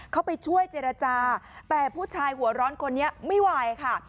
เข้าไปช่วยเจรจาแต่ผู้ชายหัวร้อนคนนี้ไม่ไหวค่ะ